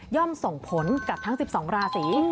ส่งผลกับทั้ง๑๒ราศี